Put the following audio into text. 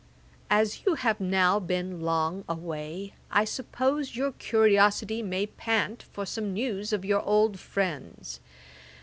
'As you have now been long away, I suppose your curiosity may pant for some news of your old friends.